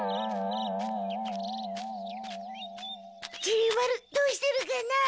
きり丸どうしてるかな？